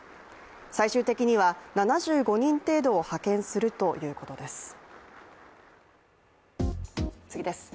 最終的には７５人程度を派遣するということです